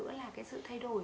nữ là sự thay đổi